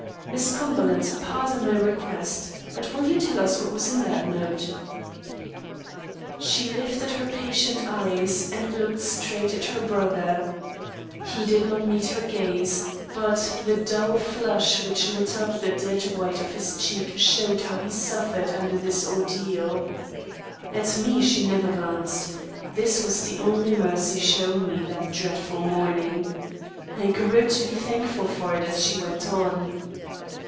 "Miss Cumberland, pardon my request, but will you tell us what was in that note?" She lifted her patient eyes, and looked straight at her brother. He did not meet her gaze; but the dull flush which lit up the dead white of his cheek showed how he suffered under this ordeal. At me she never glanced; this was the only mercy shown me that dreadful morning. I grew to be thankful for it as she went on.